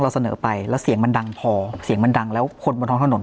เสนอไปแล้วเสียงมันดังพอเสียงมันดังแล้วคนบนท้องถนน